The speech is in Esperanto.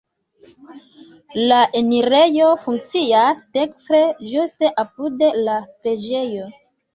La enirejo funkcias dekstre, ĝuste apud la preĝejo.